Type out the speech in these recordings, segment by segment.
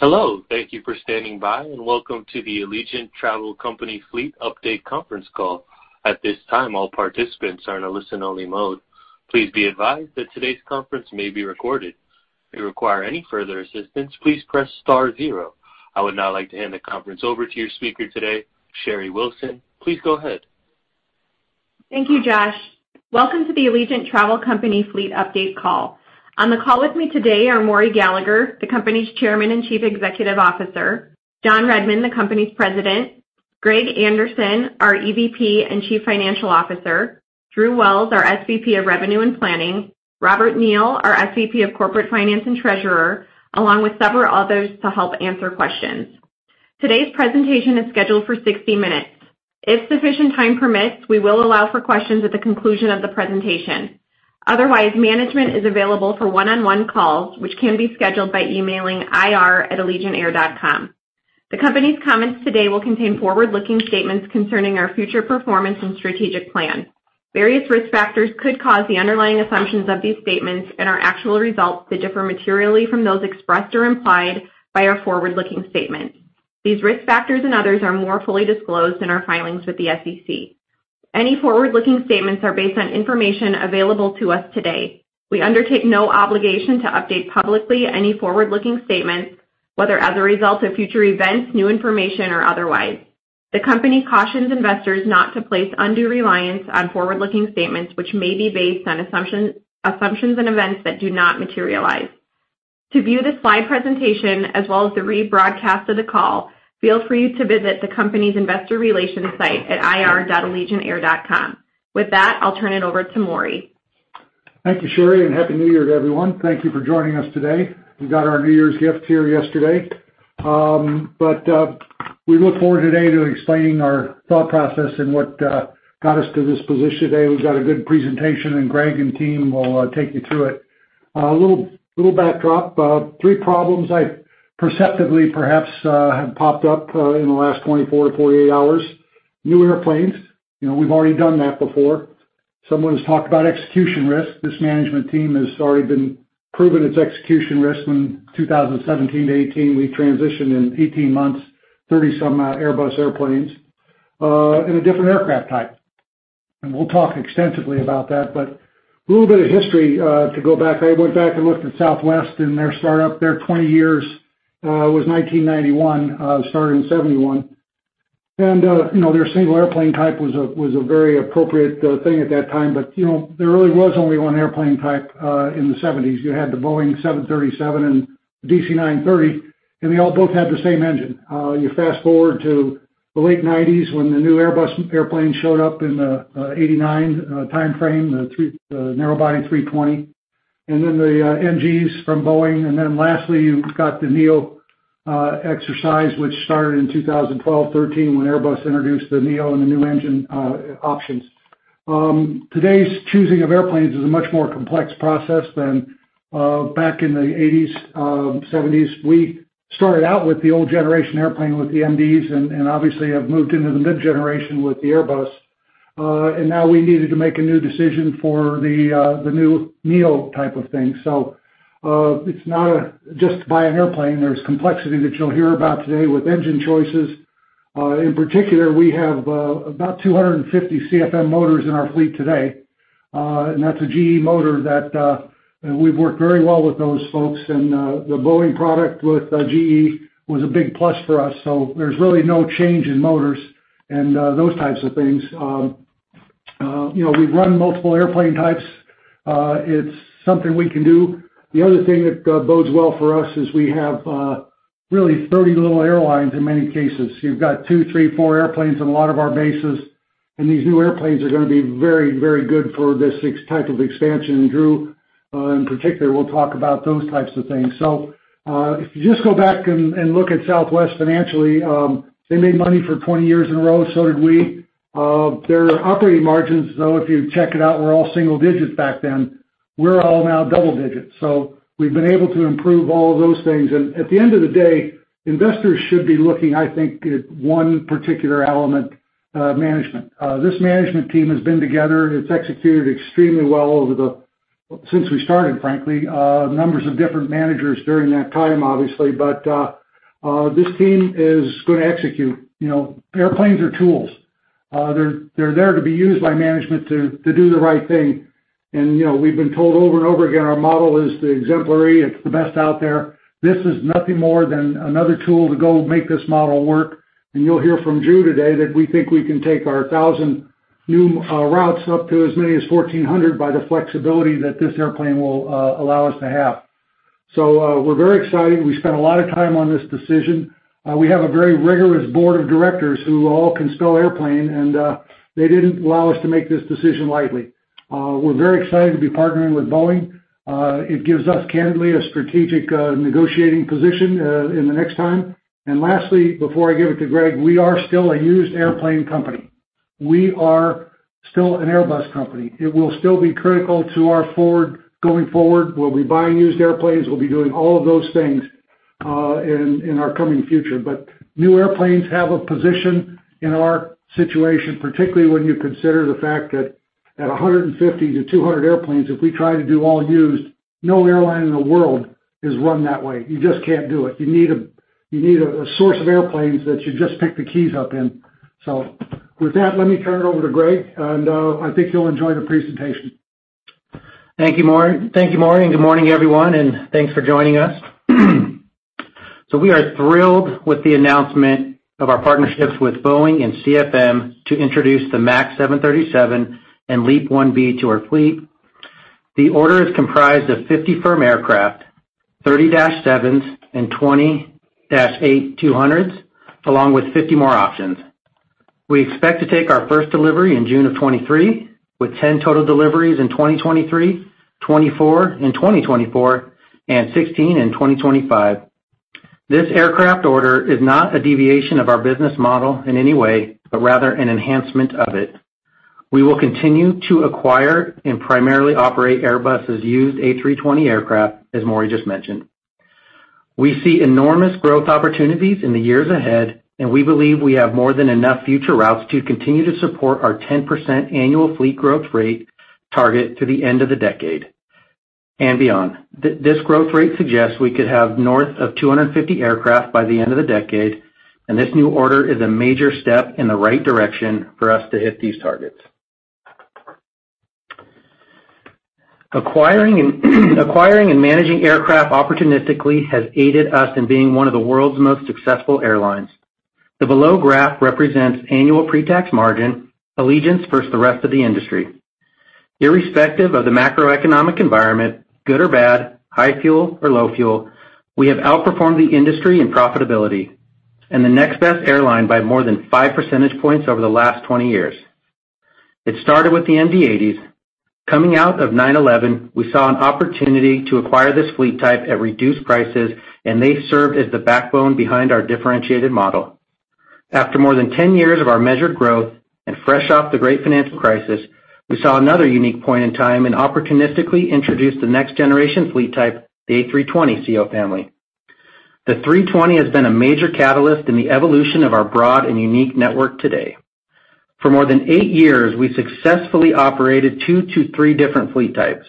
Hello. Thank you for standing by, and welcome to the Allegiant Travel Company fleet update conference call. At this time, all participants are in a listen-only mode. Please be advised that today's conference may be recorded. If you require any further assistance, please press star zero. I would now like to hand the conference over to your speaker today, Sherry Wilson. Please go ahead. Thank you, Josh. Welcome to the Allegiant Travel Company Fleet Update Call. On the call with me today are Maury Gallagher, the company's Chairman and Chief Executive Officer, John Redmond, the company's President, Greg Anderson, our EVP and Chief Financial Officer, Drew Wells, our SVP of Revenue and Planning, Robert Neal, our SVP of Corporate Finance and Treasurer, along with several others to help answer questions. Today's presentation is scheduled for 60 minutes. If sufficient time permits, we will allow for questions at the conclusion of the presentation. Otherwise, management is available for one-on-one calls, which can be scheduled by emailing ir@allegiantair.com. The company's comments today will contain forward-looking statements concerning our future performance and strategic plan. Various risk factors could cause the underlying assumptions of these statements and our actual results to differ materially from those expressed or implied by our forward-looking statements. These risk factors and others are more fully disclosed in our filings with the SEC. Any forward-looking statements are based on information available to us today. We undertake no obligation to update publicly any forward-looking statements, whether as a result of future events, new information, or otherwise. The company cautions investors not to place undue reliance on forward-looking statements, which may be based on assumptions and events that do not materialize. To view the slide presentation as well as the rebroadcast of the call, feel free to visit the company's investor relations site at ir.allegiantair.com. With that, I'll turn it over to Maury. Thank you, Sherry, and Happy New Year to everyone. Thank you for joining us today. We got our New Year's gift here yesterday. We look forward today to explaining our thought process and what got us to this position today. We've got a good presentation, and Greg and team will take you through it. A little backdrop. Three problems, perceptibly perhaps, have popped up in the last 24 to 48 hours. New airplanes, you know, we've already done that before. Someone has talked about execution risk. This management team has already been proven its execution risk when 2017 to 2018 we transitioned in 18 months, 30-some Airbus airplanes in a different aircraft type. We'll talk extensively about that, but a little bit of history to go back. I went back and looked at Southwest and their startup, their 20 years, was 1991, started in 1971. You know, their single airplane type was a very appropriate thing at that time. You know, there really was only one airplane type in the 1970s. You had the Boeing 737 and DC-9-30, and they both had the same engine. You fast-forward to the late 1990s when the new Airbus airplane showed up in the 1989 timeframe, the narrow body A320, and then the NGs from Boeing. Lastly, you've got the neo exercise, which started in 2012, 2013, when Airbus introduced the neo and the new engine options. Today's choosing of airplanes is a much more complex process than back in the 80s, 70s. We started out with the old generation airplane with the MDs and obviously have moved into the mid generation with the Airbus. Now we needed to make a new decision for the new neo type of thing. It's not just to buy an airplane, there's complexity that you'll hear about today with engine choices. In particular, we have about 250 CFM motors in our fleet today, and that's a GE motor that we've worked very well with those folks. The Boeing product with GE was a big plus for us, so there's really no change in motors and those types of things. You know, we've run multiple airplane types. It's something we can do. The other thing that bodes well for us is we have really 30 little airlines in many cases. You've got two, three, four airplanes in a lot of our bases, and these new airplanes are gonna be very, very good for this exact type of expansion. Drew, in particular, will talk about those types of things. If you just go back and look at Southwest financially, they made money for 20 years in a row. So did we. Their operating margins, though, if you check it out, were all single digits back then. We're all now double digits. So we've been able to improve all of those things. At the end of the day, investors should be looking, I think, at one particular element, management. This management team has been together. It's executed extremely well since we started, frankly. Number of different managers during that time, obviously, but this team is gonna execute. You know, airplanes are tools. They're there to be used by management to do the right thing. You know, we've been told over and over again our model is exemplary, it's the best out there. This is nothing more than another tool to go make this model work. You'll hear from Drew today that we think we can take our 1,000 new routes up to as many as 1,400 by the flexibility that this airplane will allow us to have. We're very excited. We spent a lot of time on this decision. We have a very rigorous board of directors who all can spell airplane, and they didn't allow us to make this decision lightly. We're very excited to be partnering with Boeing. It gives us, candidly, a strategic negotiating position in the next time. Lastly, before I give it to Greg, we are still a used airplane company. We are still an Airbus company. It will still be critical to our going forward, where we buy used airplanes, we'll be doing all of those things in our coming future. New airplanes have a position in our situation, particularly when you consider the fact that at 150 to 200 airplanes, if we try to do all used, no airline in the world is run that way. You just can't do it. You need a source of airplanes that you just pick the keys up in. With that, let me turn it over to Greg, and I think you'll enjoy the presentation. Thank you, Maury. Thank you, Maury, and good morning, everyone, and thanks for joining us. We are thrilled with the announcement of our partnerships with Boeing and CFM to introduce the 737 MAX and LEAP-1B to our fleet. The order is comprised of 50 firm aircraft, 30 -7s, and 20 -8-200s, along with 50 more options. We expect to take our first delivery in June of 2023, with 10 total deliveries in 2023, 24 in 2024, and 16 in 2025. This aircraft order is not a deviation of our business model in any way, but rather an enhancement of it. We will continue to acquire and primarily operate Airbus' used A320 aircraft, as Maury just mentioned. We see enormous growth opportunities in the years ahead, and we believe we have more than enough future routes to continue to support our 10% annual fleet growth rate target to the end of the decade and beyond. This growth rate suggests we could have north of 250 aircraft by the end of the decade, and this new order is a major step in the right direction for us to hit these targets. Acquiring and managing aircraft opportunistically has aided us in being one of the world's most successful airlines. The below graph represents annual pre-tax margin, Allegiant versus the rest of the industry. Irrespective of the macroeconomic environment, good or bad, high fuel or low fuel, we have outperformed the industry in profitability, and the next best airline by more than 5 percentage points over the last 20 years. It started with the MD-80s. Coming out of 9/11, we saw an opportunity to acquire this fleet type at reduced prices, and they served as the backbone behind our differentiated model. After more than 10 years of our measured growth and fresh off the great financial crisis, we saw another unique point in time and opportunistically introduced the next generation fleet type, the A320ceo family. The 320 has been a major catalyst in the evolution of our broad and unique network today. For more than eight years, we successfully operated two to three different fleet types.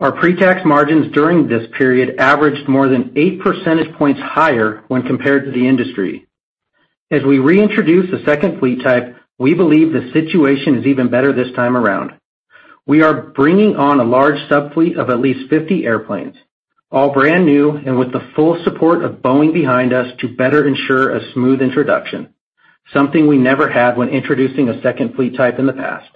Our pre-tax margins during this period averaged more than 8 percentage points higher when compared to the industry. As we reintroduce a second fleet type, we believe the situation is even better this time around. We are bringing on a large subfleet of at least 50 airplanes, all brand new and with the full support of Boeing behind us to better ensure a smooth introduction, something we never had when introducing a second fleet type in the past.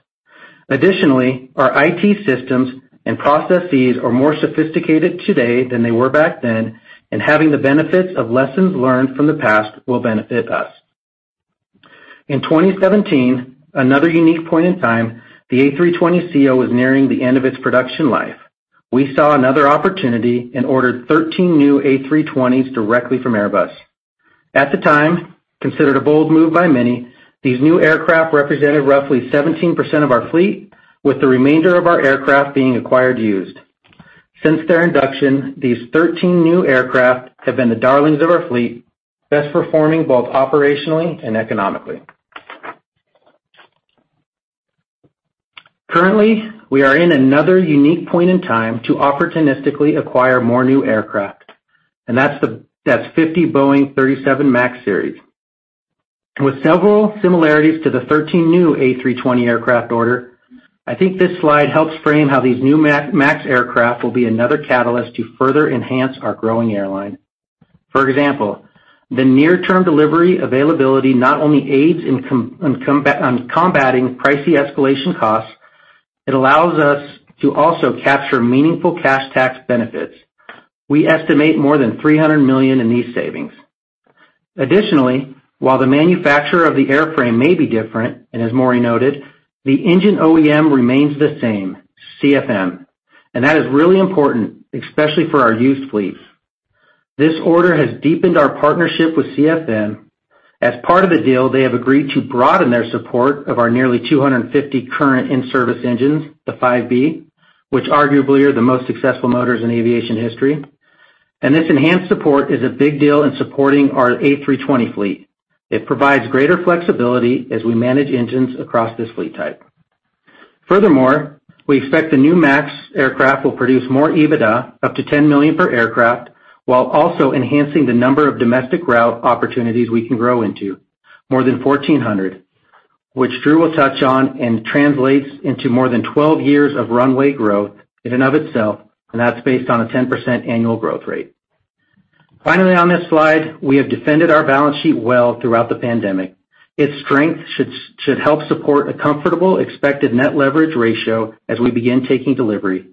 Additionally, our IT systems and processes are more sophisticated today than they were back then, and having the benefits of lessons learned from the past will benefit us. In 2017, another unique point in time, the A320ceo was nearing the end of its production life. We saw another opportunity and ordered 13 new A320s directly from Airbus. At the time, considered a bold move by many, these new aircraft represented roughly 17% of our fleet, with the remainder of our aircraft being acquired used. Since their induction, these 13 new aircraft have been the darlings of our fleet, best performing both operationally and economically. Currently, we are in another unique point in time to opportunistically acquire more new aircraft, and that's 50 Boeing 737 MAX series. With several similarities to the 13 new A320 aircraft order, I think this slide helps frame how these new MAX aircraft will be another catalyst to further enhance our growing airline. For example, the near-term delivery availability not only aids in combating pricey escalation costs, it allows us to also capture meaningful cash tax benefits. We estimate more than $300 million in these savings. Additionally, while the manufacturer of the airframe may be different, and as Maury noted, the engine OEM remains the same, CFM, and that is really important, especially for our used fleets. This order has deepened our partnership with CFM. As part of the deal, they have agreed to broaden their support of our nearly 250 current in-service engines, the 5B, which arguably are the most successful motors in aviation history. This enhanced support is a big deal in supporting our A320 fleet. It provides greater flexibility as we manage engines across this fleet type. Furthermore, we expect the new MAX aircraft will produce more EBITDA, up to $10 million per aircraft, while also enhancing the number of domestic route opportunities we can grow into, more than 1,400, which Drew will touch on, and translates into more than 12 years of runway growth in and of itself, and that's based on a 10% annual growth rate. Finally, on this slide, we have defended our balance sheet well throughout the pandemic. Its strength should help support a comfortable expected net leverage ratio as we begin taking delivery.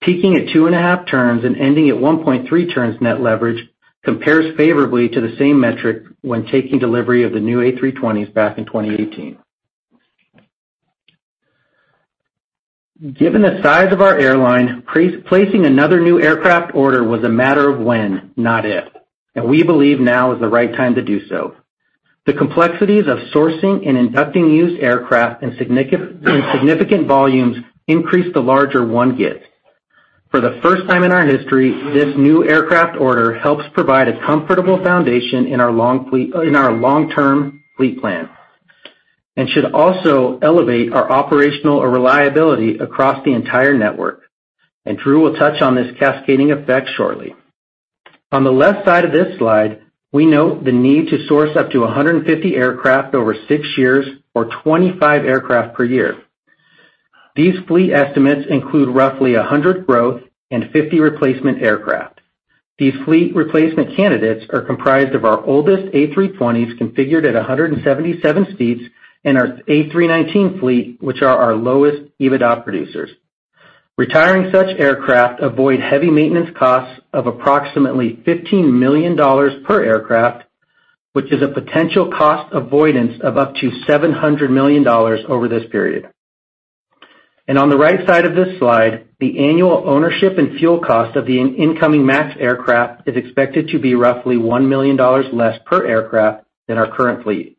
Peaking at 2.5 turns and ending at 1.3 turns net leverage compares favorably to the same metric when taking delivery of the new A320s back in 2018. Given the size of our airline, placing another new aircraft order was a matter of when, not if, and we believe now is the right time to do so. The complexities of sourcing and inducting used aircraft in significant volumes increase the larger one gets. For the first time in our history, this new aircraft order helps provide a comfortable foundation in our long-term fleet plan, and should also elevate our operational reliability across the entire network. Drew will touch on this cascading effect shortly. On the left side of this slide, we note the need to source up to 150 aircraft over six years or 25 aircraft per year. These fleet estimates include roughly 100 growth and 50 replacement aircraft. These fleet replacement candidates are comprised of our oldest A320s configured at 177 seats and our A319 fleet, which are our lowest EBITDA producers. Retiring such aircraft avoid heavy maintenance costs of approximately $15 million per aircraft, which is a potential cost avoidance of up to $700 million over this period. On the right side of this slide, the annual ownership and fuel cost of the incoming MAX aircraft is expected to be roughly $1 million less per aircraft than our current fleet.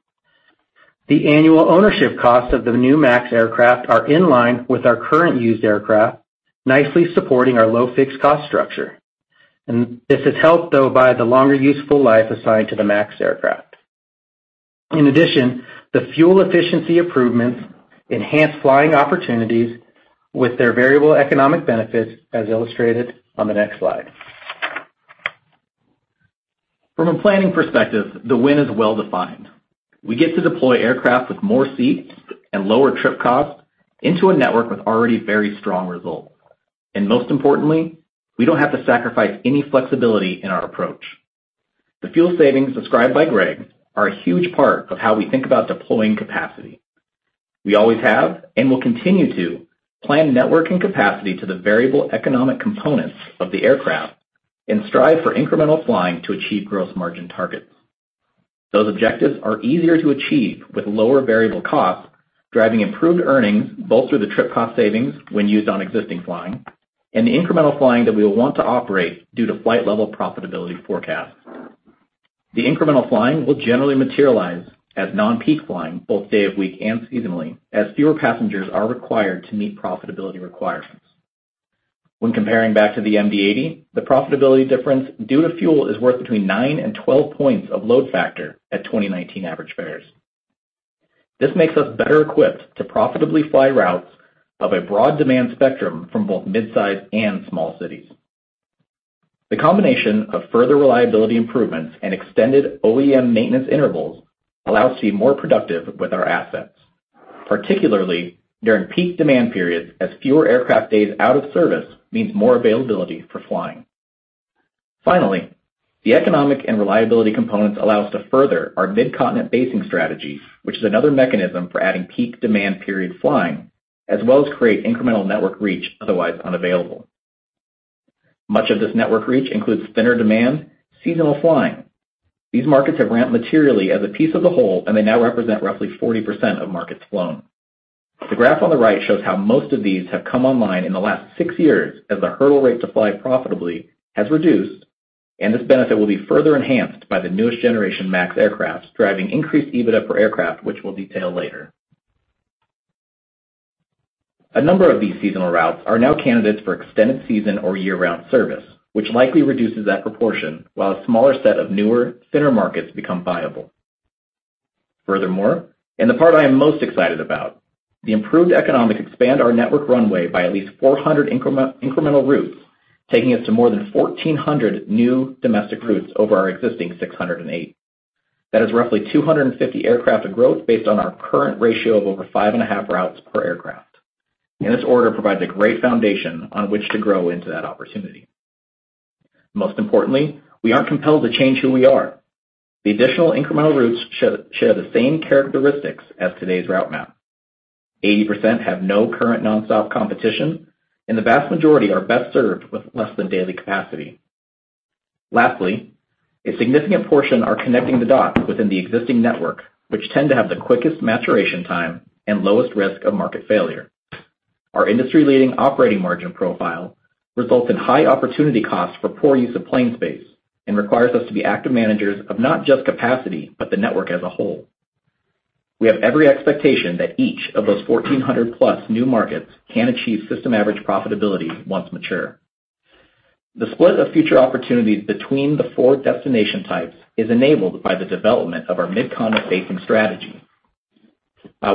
The annual ownership costs of the new MAX aircraft are in line with our current used aircraft, nicely supporting our low-fixed cost structure. This is helped, though, by the longer useful life assigned to the MAX aircraft. In addition, the fuel efficiency improvements enhance flying opportunities with their variable economic benefits, as illustrated on the next slide. From a planning perspective, the win is well-defined. We get to deploy aircraft with more seats and lower trip costs into a network with already very strong results. Most importantly, we don't have to sacrifice any flexibility in our approach. The fuel savings described by Greg are a huge part of how we think about deploying capacity. We always have, and will continue to, plan network and capacity to the variable economic components of the aircraft and strive for incremental flying to achieve gross margin targets. Those objectives are easier to achieve with lower variable costs, driving improved earnings both through the trip cost savings when used on existing flying and the incremental flying that we will want to operate due to flight level profitability forecasts. The incremental flying will generally materialize as non-peak flying, both day of week and seasonally, as fewer passengers are required to meet profitability requirements. When comparing back to the MD-80s, the profitability difference due to fuel is worth between nine and 12 points of load factor at 2019 average fares. This makes us better equipped to profitably fly routes of a broad demand spectrum from both mid-sized and small cities. The combination of further reliability improvements and extended OEM maintenance intervals allow us to be more productive with our assets, particularly during peak demand periods, as fewer aircraft days out of service means more availability for flying. Finally, the economic and reliability components allow us to further our mid-continent basing strategies, which is another mechanism for adding peak demand period flying, as well as create incremental network reach otherwise unavailable. Much of this network reach includes thinner demand, seasonal flying. These markets have ramped materially as a piece of the whole, and they now represent roughly 40% of markets flown. The graph on the right shows how most of these have come online in the last six years as the hurdle rate to fly profitably has reduced, and this benefit will be further enhanced by the newest generation MAX aircraft, driving increased EBITDA per aircraft, which we'll detail later. A number of these seasonal routes are now candidates for extended season or year-round service, which likely reduces that proportion, while a smaller set of newer, thinner markets become viable. Furthermore, the part I am most excited about, the improved economics expand our network runway by at least 400 incremental routes, taking us to more than 1,400 new domestic routes over our existing 608. That is roughly 250 aircraft of growth based on our current ratio of over 5.5 routes per aircraft. This order provides a great foundation on which to grow into that opportunity. Most importantly, we aren't compelled to change who we are. The additional incremental routes share the same characteristics as today's route map. 80% have no current non-stop competition, and the vast majority are best served with less than daily capacity. Lastly, a significant portion are connecting the dots within the existing network, which tend to have the quickest maturation time and lowest risk of market failure. Our industry-leading operating margin profile results in high opportunity costs for poor use of plane space and requires us to be active managers of not just capacity, but the network as a whole. We have every expectation that each of those 1,400+ new markets can achieve system average profitability once mature. The split of future opportunities between the four destination types is enabled by the development of our mid-continent basing strategy,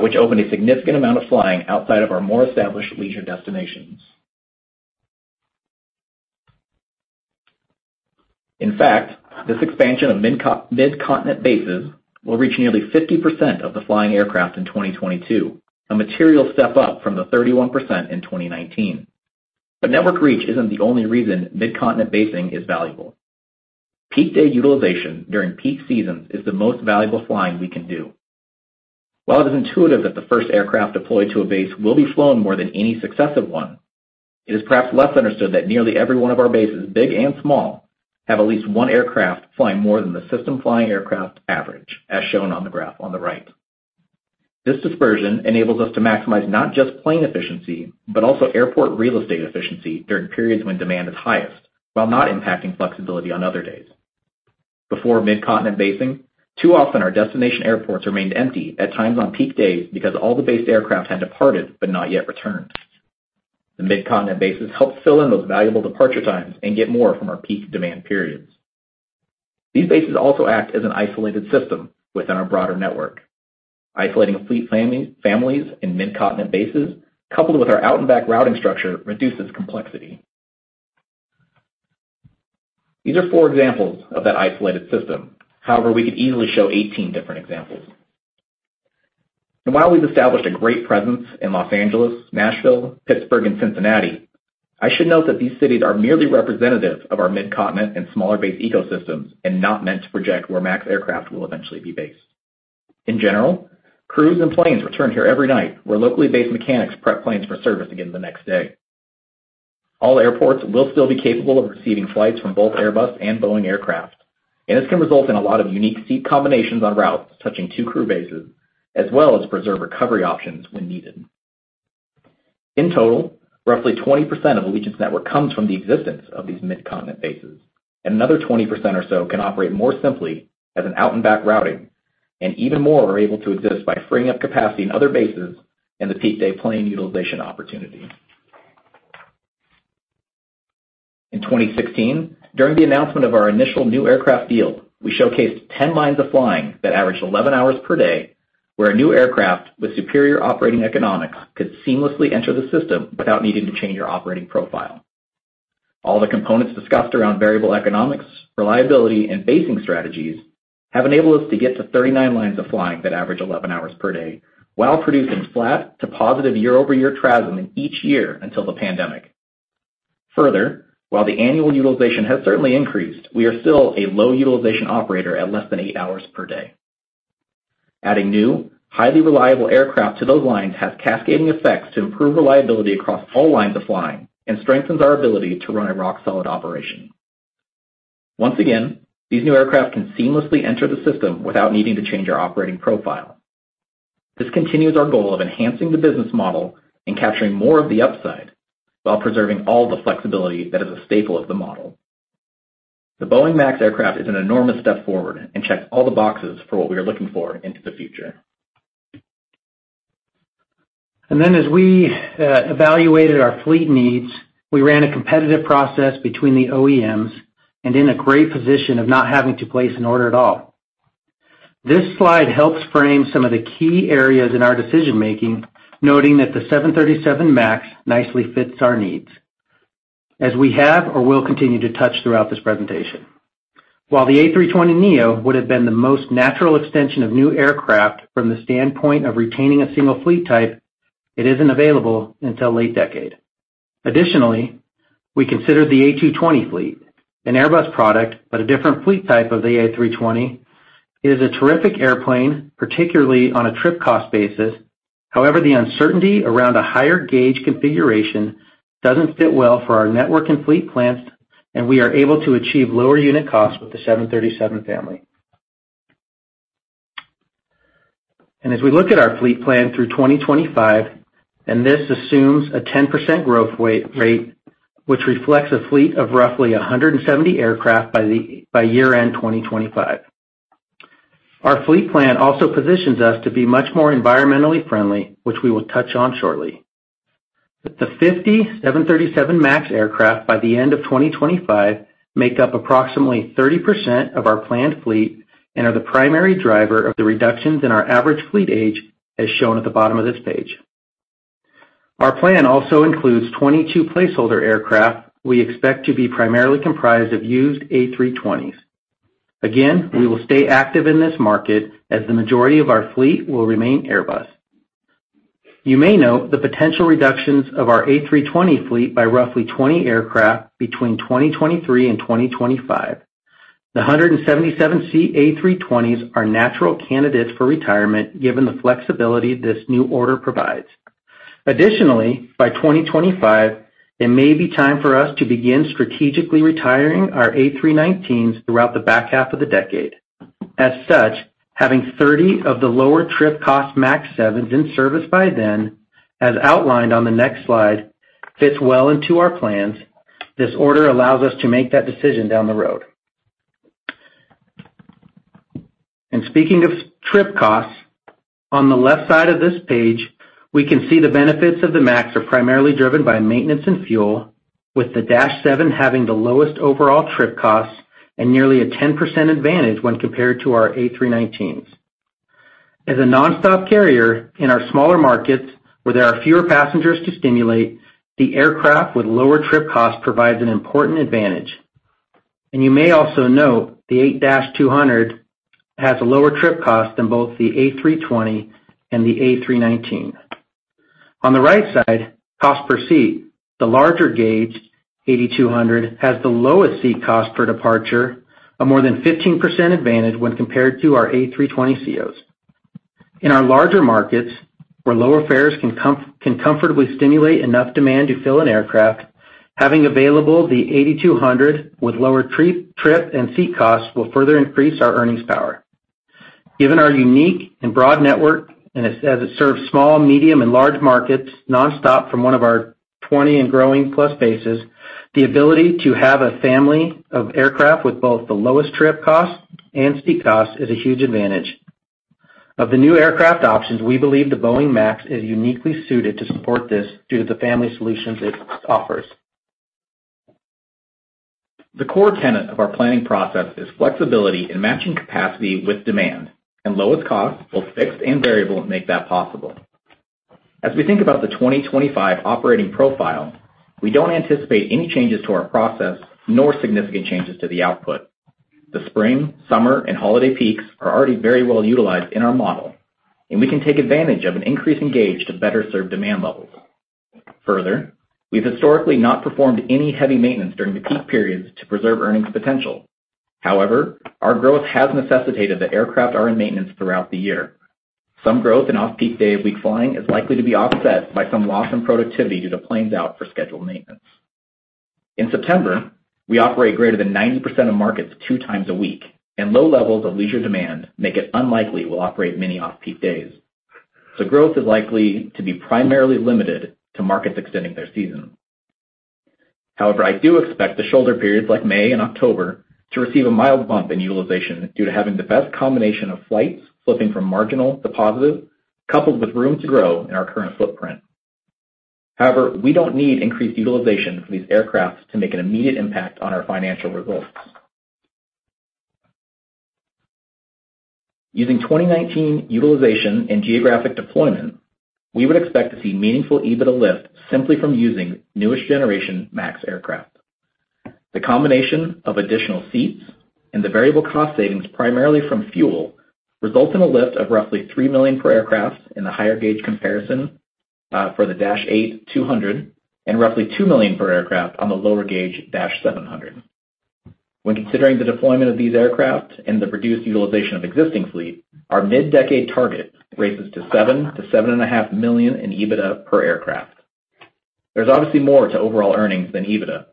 which opened a significant amount of flying outside of our more established leisure destinations. In fact, this expansion of mid-continent bases will reach nearly 50% of the flying aircraft in 2022, a material step up from the 31% in 2019. Network reach isn't the only reason mid-continent basing is valuable. Peak day utilization during peak seasons is the most valuable flying we can do. While it is intuitive that the first aircraft deployed to a base will be flown more than any successive one, it is perhaps less understood that nearly every one of our bases, big and small, have at least one aircraft flying more than the system flying aircraft average, as shown on the graph on the right. This dispersion enables us to maximize not just plane efficiency, but also airport real estate efficiency during periods when demand is highest, while not impacting flexibility on other days. Before mid-continent basing, too often our destination airports remained empty at times on peak days because all the based aircraft had departed but not yet returned. The mid-continent bases help fill in those valuable departure times and get more from our peak demand periods. These bases also act as an isolated system within our broader network. Isolating fleet families in mid-continent bases, coupled with our out and back routing structure, reduces complexity. These are four examples of that isolated system. However, we could easily show 18 different examples. While we've established a great presence in Los Angeles, Nashville, Pittsburgh, and Cincinnati, I should note that these cities are merely representative of our mid-continent and smaller base ecosystems and not meant to project where MAX aircraft will eventually be based. In general, crews and planes return here every night, where locally based mechanics prep planes for service again the next day. All airports will still be capable of receiving flights from both Airbus and Boeing aircraft, and this can result in a lot of unique seat combinations on routes touching two crew bases, as well as preserve recovery options when needed. In total, roughly 20% of Allegiant's network comes from the existence of these mid-continent bases. Another 20% or so can operate more simply as an out and back routing, and even more are able to exist by freeing up capacity in other bases and the peak day plane utilization opportunity. In 2016, during the announcement of our initial new aircraft deal, we showcased 10 lines of flying that averaged 11 hours per day, where a new aircraft with superior operating economics could seamlessly enter the system without needing to change our operating profile. All the components discussed around variable economics, reliability, and basing strategies have enabled us to get to 39 lines of flying that average 11 hours per day while producing flat to positive year-over-year TRASM in each year until the pandemic. Further, while the annual utilization has certainly increased, we are still a low utilization operator at less than eight hours per day. Adding new, highly reliable aircraft to those lines has cascading effects to improve reliability across all lines of flying and strengthens our ability to run a rock-solid operation. Once again, these new aircraft can seamlessly enter the system without needing to change our operating profile. This continues our goal of enhancing the business model and capturing more of the upside while preserving all the flexibility that is a staple of the model. The Boeing MAX aircraft is an enormous step forward and checks all the boxes for what we are looking for into the future. As we evaluated our fleet needs, we ran a competitive process between the OEMs and in a great position of not having to place an order at all. This slide helps frame some of the key areas in our decision-making, noting that the 737 MAX nicely fits our needs, as we have or will continue to touch throughout this presentation. While the A320neo would have been the most natural extension of new aircraft from the standpoint of retaining a single fleet type, it isn't available until late decade. Additionally, we consider the A220 fleet, an Airbus product, but a different fleet type of the A320. It is a terrific airplane, particularly on a trip cost basis. However, the uncertainty around a higher gauge configuration doesn't fit well for our network and fleet plans, and we are able to achieve lower unit costs with the 737 family. As we look at our fleet plan through 2025, and this assumes a 10% growth rate, which reflects a fleet of roughly 170 aircraft by year-end 2025. Our fleet plan also positions us to be much more environmentally friendly, which we will touch on shortly. With the 50 737 MAX aircraft by the end of 2025 make up approximately 30% of our planned fleet and are the primary driver of the reductions in our average fleet age, as shown at the bottom of this page. Our plan also includes 22 placeholder aircraft we expect to be primarily comprised of used A320s. Again, we will stay active in this market as the majority of our fleet will remain Airbus. You may note the potential reductions of our A320 fleet by roughly 20 aircraft between 2023 and 2025. The 177-seat A320s are natural candidates for retirement given the flexibility this new order provides. Additionally, by 2025, it may be time for us to begin strategically retiring our A319s throughout the back half of the decade. As such, having 30 of the lower trip cost MAX 7s in service by then, as outlined on the next slide, fits well into our plans. This order allows us to make that decision down the road. Speaking of trip costs, on the left side of this page, we can see the benefits of the MAX are primarily driven by maintenance and fuel, with the -7 having the lowest overall trip costs and nearly a 10% advantage when compared to our A319s. As a nonstop carrier in our smaller markets where there are fewer passengers to stimulate, the aircraft with lower trip costs provides an important advantage. You may also note 8-200 has a lower trip cost than both the A320 and the A319. On the right side, cost per seat, the larger 8-200 has the lowest seat cost per departure, a more than 15% advantage when compared to our A320ceos. In our larger markets, where lower fares can comfortably stimulate enough demand to fill an aircraft, having available the 8-200 with lower trip and seat costs will further increase our earnings power. Given our unique and broad network, and as it serves small, medium and large markets nonstop from one of our 20 and growing plus bases, the ability to have a family of aircraft with both the lowest trip costs and seat costs is a huge advantage. Of the new aircraft options, we believe the Boeing MAX is uniquely suited to support this due to the family solutions it offers. The core tenet of our planning process is flexibility in matching capacity with demand, and lowest cost, both fixed and variable, make that possible. As we think about the 2025 operating profile, we don't anticipate any changes to our process, nor significant changes to the output. The spring, summer, and holiday peaks are already very well utilized in our model, and we can take advantage of an increase in gauge to better serve demand levels. Further, we've historically not performed any heavy maintenance during the peak periods to preserve earnings potential. However, our growth has necessitated that aircraft are in maintenance throughout the year. Some growth in off-peak day of week flying is likely to be offset by some loss in productivity due to planes out for scheduled maintenance. In September, we operate greater than 90% of markets two times a week, and low levels of leisure demand make it unlikely we'll operate many off-peak days. Growth is likely to be primarily limited to markets extending their season. However, I do expect the shoulder periods like May and October to receive a mild bump in utilization due to having the best combination of flights flipping from marginal to positive, coupled with room to grow in our current footprint. However, we don't need increased utilization for these aircraft to make an immediate impact on our financial results. Using 2019 utilization and geographic deployment, we would expect to see meaningful EBITDA lift simply from using newest generation MAX aircraft. The combination of additional seats and the variable cost savings primarily from fuel results in a lift of roughly $3 million per aircraft in the higher gauge comparison, for the 8-200 and roughly $2 million per aircraft on the lower gauge MAX 7. When considering the deployment of these aircraft and the reduced utilization of existing fleet, our mid-decade target raises to $7 million-$7.5 million in EBITDA per aircraft. There's obviously more to overall earnings than EBITDA,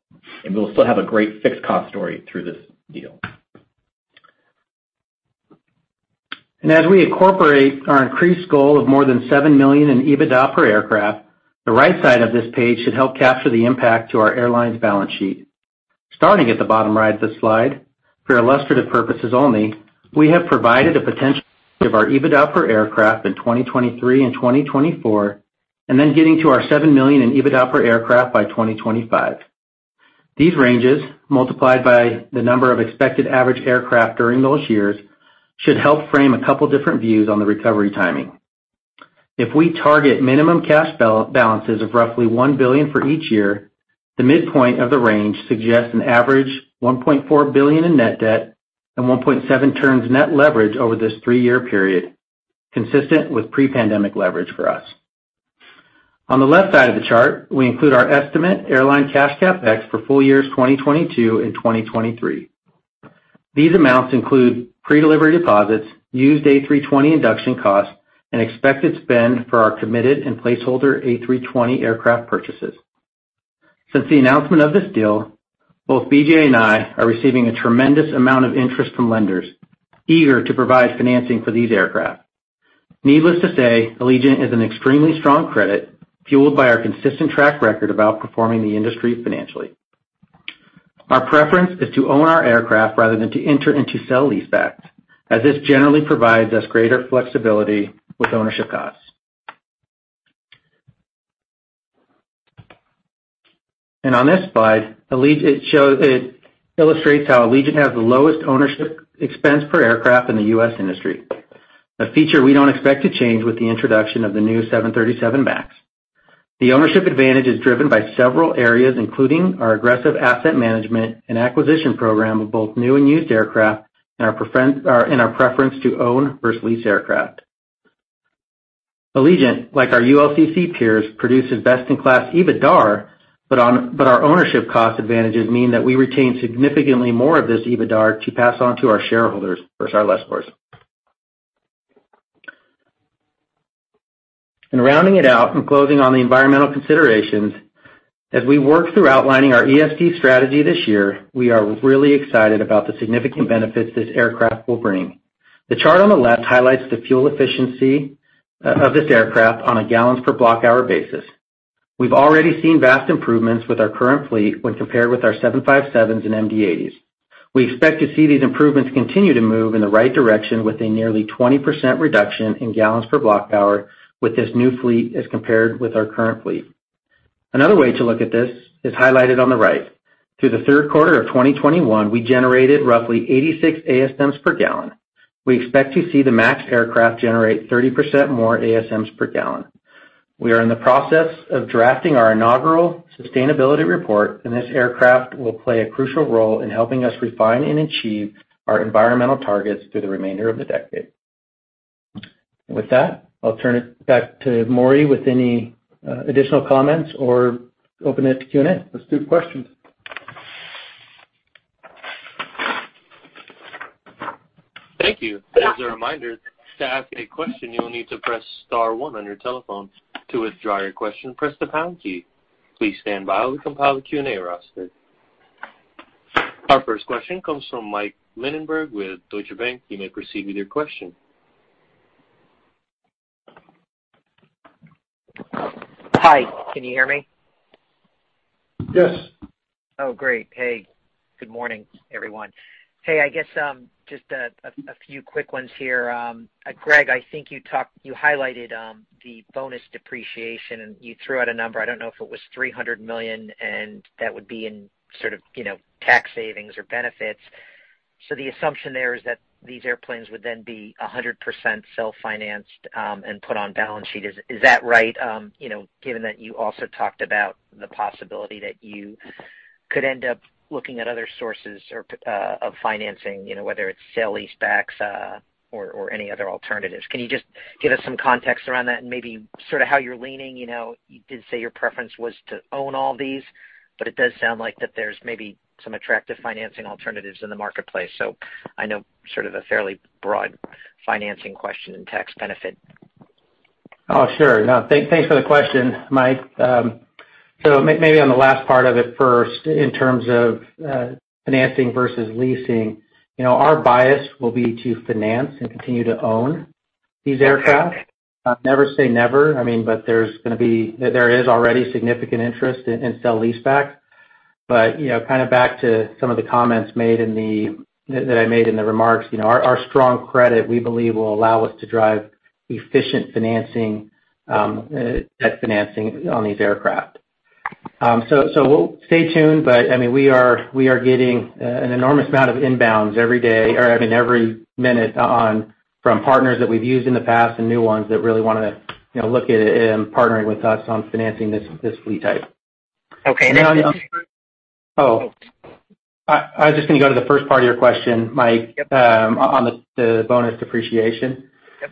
and we'll still have a great fixed cost story through this deal. As we incorporate our increased goal of more than $7 million in EBITDA per aircraft, the right side of this page should help capture the impact to our airline's balance sheet. Starting at the bottom right of the slide, for illustrative purposes only, we have provided a potential of our EBITDA per aircraft in 2023 and 2024, and then getting to our $7 million in EBITDA per aircraft by 2025. These ranges, multiplied by the number of expected average aircraft during those years, should help frame a couple different views on the recovery timing. If we target minimum cash balances of roughly $1 billion for each year, the midpoint of the range suggests an average $1.4 billion in net debt and 1.7 turns net leverage over this three-year period, consistent with pre-pandemic leverage for us. On the left side of the chart, we include our estimate airline cash CapEx for full years 2022 and 2023. These amounts include pre-delivery deposits, used A320 induction costs, and expected spend for our committed and placeholder A320 aircraft purchases. Since the announcement of this deal, both BJ and I are receiving a tremendous amount of interest from lenders eager to provide financing for these aircraft. Needless to say, Allegiant is an extremely strong credit fueled by our consistent track record of outperforming the industry financially. Our preference is to own our aircraft rather than to enter into sale leasebacks, as this generally provides us greater flexibility with ownership costs. On this slide, it illustrates how Allegiant has the lowest ownership expense per aircraft in the U.S. industry, a feature we don't expect to change with the introduction of the new 737 MAX. The ownership advantage is driven by several areas, including our aggressive asset management and acquisition program of both new and used aircraft and our preference to own versus lease aircraft. Allegiant, like our ULCC peers, produces best-in-class EBITDA, but our ownership cost advantages mean that we retain significantly more of this EBITDA to pass on to our shareholders versus our lessors. Rounding it out and closing on the environmental considerations, as we work through outlining our ESG strategy this year, we are really excited about the significant benefits this aircraft will bring. The chart on the left highlights the fuel efficiency of this aircraft on a gallons per block hour basis. We've already seen vast improvements with our current fleet when compared with our 737s and MD-80s. We expect to see these improvements continue to move in the right direction with a nearly 20% reduction in gallons per block hour with this new fleet as compared with our current fleet. Another way to look at this is highlighted on the right. Through the third quarter of 2021, we generated roughly 86 ASMs/gallon. We expect to see the MAX aircraft generate 30% more ASMs/gallon. We are in the process of drafting our inaugural sustainability report, and this aircraft will play a crucial role in helping us refine and achieve our environmental targets through the remainder of the decade. With that, I'll turn it back to Maury with any additional comments or open it to Q&A. Let's do questions. Thank you. As a reminder, to ask a question, you will need to press star one on your telephone. To withdraw your question, press the pound key. Please stand by while we compile the Q&A roster. Our first question comes from Mike Linenberg with Deutsche Bank. You may proceed with your question. Hi, can you hear me? Yes. Oh, great. Hey, good morning, everyone. Hey, I guess just a few quick ones here. Greg, I think you highlighted the bonus depreciation, and you threw out a number. I don't know if it was $300 million, and that would be in sort of, you know, tax savings or benefits. The assumption there is that these airplanes would then be 100% self-financed and put on balance sheet. Is that right? You know, given that you also talked about the possibility that you could end up looking at other sources of financing, you know, whether it's sale leasebacks or any other alternatives. Can you just give us some context around that and maybe sort of how you're leaning? You know, you did say your preference was to own all these, but it does sound like that there's maybe some attractive financing alternatives in the marketplace. I know sort of a fairly broad financing question and tax benefit. Oh, sure. No, thanks for the question, Mike. So maybe on the last part of it first, in terms of financing versus leasing, you know, our bias will be to finance and continue to own these aircraft. Never say never, I mean, there is already significant interest in sale leaseback. You know, kind of back to some of the comments that I made in the remarks. You know, our strong credit, we believe, will allow us to drive efficient financing, debt financing on these aircraft. We'll stay tuned, but I mean, we are getting an enormous amount of inbounds every day or, I mean, every minute on from partners that we've used in the past and new ones that really wanna, you know, look at it and partnering with us on financing this fleet type. Okay. I was just gonna go to the first part of your question, Mike. Yep. On the bonus depreciation. Yep.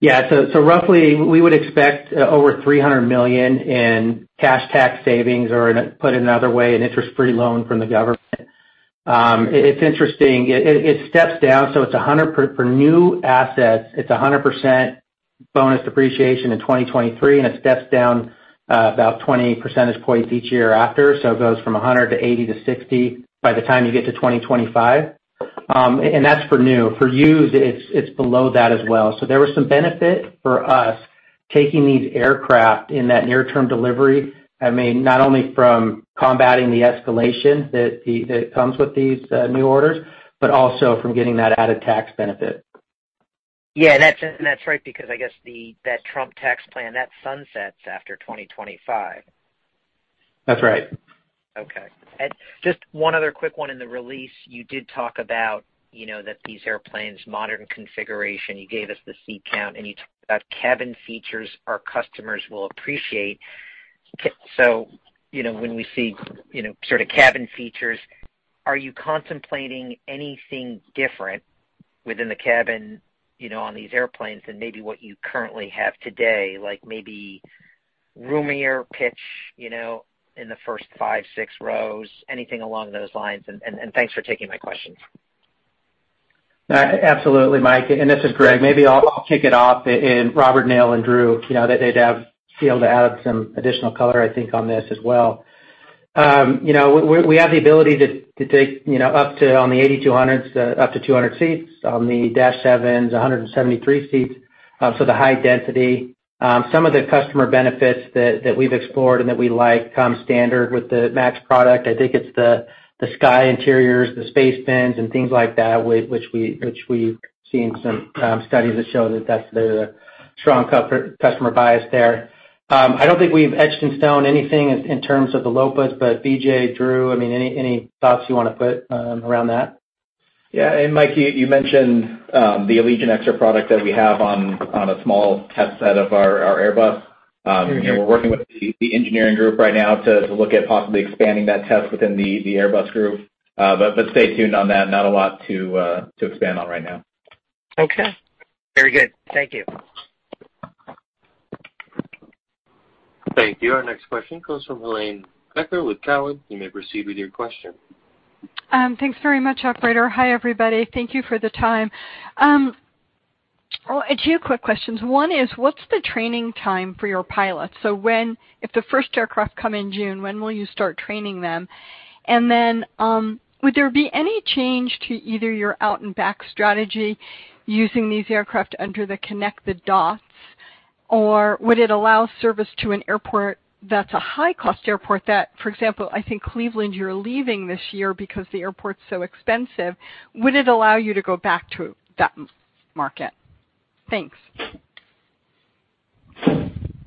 Yeah, roughly we would expect over $300 million in cash tax savings or, put another way, an interest-free loan from the government. It's interesting. It steps down, so it's 100% for new asset. It's 100% bonus depreciation in 2023, and it steps down about 20 percentage points each year after. So it goes from 100-80-60 by the time you get to 2025. And that's for new. For used, it's below that as well. So there was some benefit for us taking these aircraft in that near-term delivery. I mean, not only from combating the escalation that comes with these new orders, but also from getting that added tax benefit. Yeah, that's right, because I guess the Trump tax plan that sunsets after 2025. That's right. Okay. Just one other quick one in the release. You did talk about, you know, that these airplanes, modern configuration, you gave us the seat count, and you talked about cabin features our customers will appreciate. You know, when we see, you know, sort of cabin features, are you contemplating anything different within the cabin, you know, on these airplanes than maybe what you currently have today? Like, maybe roomier pitch, you know, in the first five, six rows, anything along those lines? Thanks for taking my questions. Absolutely, Mike. This is Greg. Maybe I'll kick it off. Robert Neal and Drew, you know, they'd be able to add some additional color, I think, on this as well. You know, we have the ability to take, you know, up to on the 8-200s, up to 200 seats, on the -7s, 173 seats, so the high density. Some of the customer benefits that we've explored and that we like come standard with the MAX product. I think it's the sky interiors, the space bins and things like that, which we've seen some studies that show that that's the strong customer bias there. I don't think we've etched in stone anything in terms of the LOPAS, but BJ, Drew, I mean, any thoughts you wanna put around that? Yeah. Mike, you mentioned the Allegiant Extra product that we have on a small test set of our Airbus. You know, we're working with the engineering group right now to look at possibly expanding that test within the Airbus group. But stay tuned on that. Not a lot to expand on right now. Okay. Very good. Thank you. Thank you. Our next question comes from Helane Becker with Cowen. You may proceed with your question. Thanks very much, operator. Hi, everybody. Thank you for the time. Well, two quick questions. One is, what's the training time for your pilots? So if the first aircraft come in June, when will you start training them? And then, would there be any change to either your out and back strategy using these aircraft under the connect-the-dots, or would it allow service to an airport that's a high-cost airport that, for example, I think Cleveland, you're leaving this year because the airport's so expensive. Would it allow you to go back to that market? Thanks.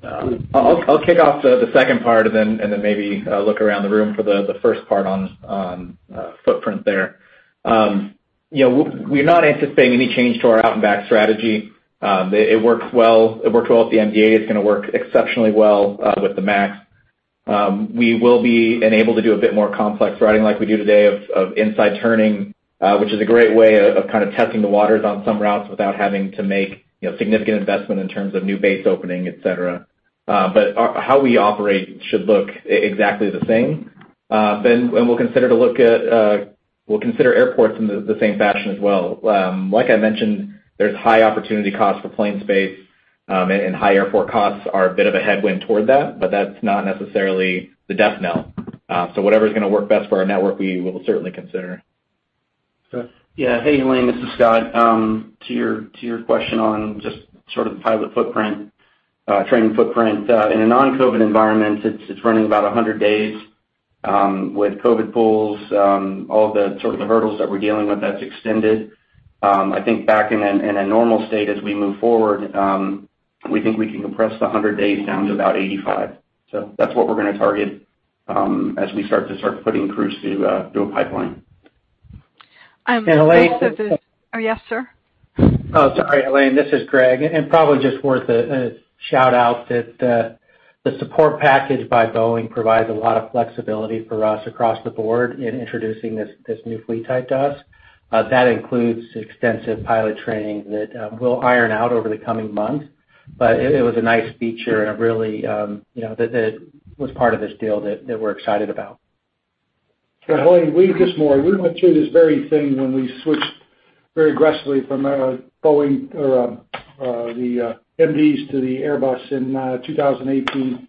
I'll kick off the second part and then maybe look around the room for the first part on footprint there. You know, we're not anticipating any change to our out and back strategy. It works well. It worked well with the MDA. It's gonna work exceptionally well with the MAX. We will be enabled to do a bit more complex routing like we do today of inside turning, which is a great way of kind of testing the waters on some routes without having to make, you know, significant investment in terms of new base opening, et cetera. How we operate should look exactly the same. We'll consider airports in the same fashion as well. Like I mentioned, there's high opportunity cost for plane space. Higher port costs are a bit of a headwind toward that, but that's not necessarily the death knell. Whatever's gonna work best for our network, we will certainly consider. Scott? Yeah. Hey, Helane, this is Scott. To your question on just sort of the pilot footprint, training footprint. In a non-COVID environment, it's running about 100 days, with COVID pools, all of the sort of the hurdles that we're dealing with that's extended. I think back in a normal state as we move forward, we think we can compress the 100 days down to about 85. That's what we're gonna target, as we start putting crews through a pipeline. Oh, yes, sir. Oh, sorry, Helane, this is Greg. Probably just worth a shout out that the support package by Boeing provides a lot of flexibility for us across the board in introducing this new fleet type to us. That includes extensive pilot training that we'll iron out over the coming months. It was a nice feature and it really, you know, that was part of this deal that we're excited about. Hey, Helane, this is Maury. We went through this very thing when we switched very aggressively from Boeing or the MDs to the Airbus in 2018.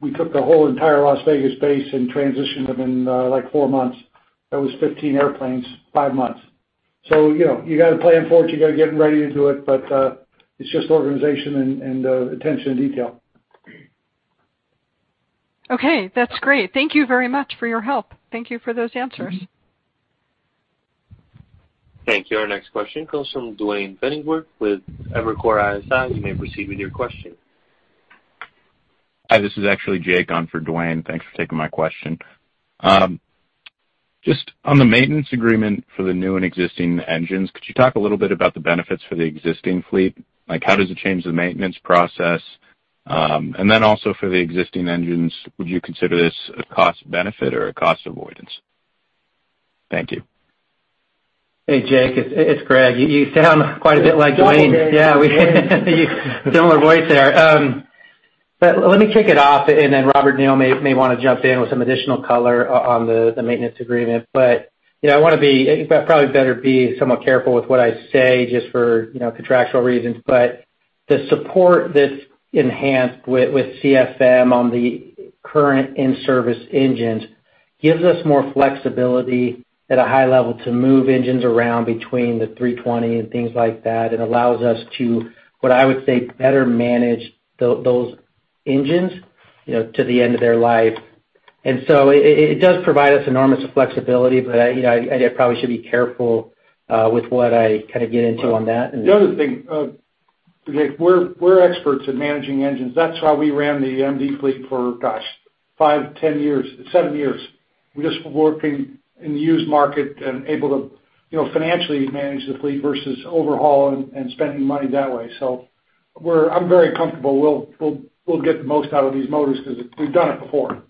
We took the whole entire Las Vegas base and transitioned them in like four months. That was 15 airplanes, five months. You know, you gotta plan for it, you gotta get ready to do it, but it's just organization and attention to detail. Okay. That's great. Thank you very much for your help. Thank you for those answers. Thank you. Our next question comes from Duane Pfennigwerth with Evercore ISI. You may proceed with your question. Hi, this is actually Jake on for Duane. Thanks for taking my question. Just on the maintenance agreement for the new and existing engines, could you talk a little bit about the benefits for the existing fleet? Like, how does it change the maintenance process? Also for the existing engines, would you consider this a cost benefit or a cost avoidance? Thank you. Hey, Jake, it's Greg. You sound quite a bit like Duane. Yeah. Similar voice there. Let me kick it off, and then Robert Neal may wanna jump in with some additional color on the maintenance agreement. You know, I probably better be somewhat careful with what I say just for, you know, contractual reasons. The support that's enhanced with CFM on the current in-service engines gives us more flexibility at a high level to move engines around between the A320 and things like that. It allows us to, what I would say, better manage those engines, you know, to the end of their life. It does provide us enormous flexibility, but I, you know, probably should be careful with what I kinda get into on that and The other thing, Jake, we're experts at managing engines. That's how we ran the MD-80 fleet for, gosh, five, 10 years, seven years. We're just working in the used market and able to, you know, financially manage the fleet versus overhaul and spending money that way. I'm very comfortable we'll get the most out of these motors because we've done it before.